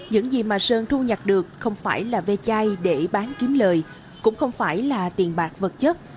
những gì mà sơn thu nhặt được không phải là ve chai để bán kiếm lời cũng không phải là tiền bạc vật chất